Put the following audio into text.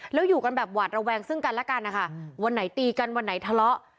แล้วอยู่กันแบบหวาดระแวงซึ่งกันแล้วกันนะคะวันไหนตีกันวันไหนทะเลาะ